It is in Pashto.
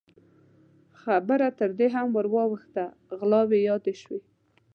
خبره تر دې هم ور واوښته، غلاوې يادې شوې.